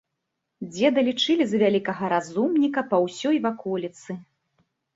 Дзеда лічылі за вялікага разумніка па ўсёй ваколіцы.